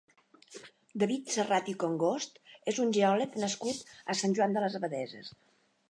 David Serrat i Congost és un geòleg nascut a Sant Joan de les Abadesses.